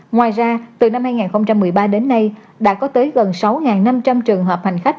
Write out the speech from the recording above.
ngoài ra từ năm hai nghìn một mươi ba đến nay đã có tới gần sáu năm trăm linh trường hợp hành khách